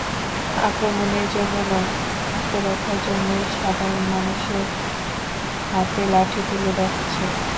আক্রমণের জন্য নয়, আত্মরক্ষার জন্যই সাধারণ মানুষের হাতে লাঠি তুলে দেওয়া হচ্ছে।